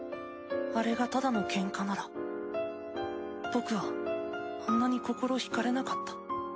あれがただのケンカなら僕はあんなに心ひかれなかった。